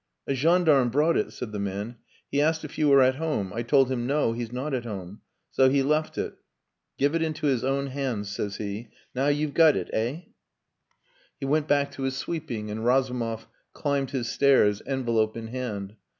"A gendarme brought it," said the man. "He asked if you were at home. I told him 'No, he's not at home.' So he left it. 'Give it into his own hands,' says he. Now you've got it eh?" He went back to his sweeping, and Razumov climbed his stairs, envelope in hand.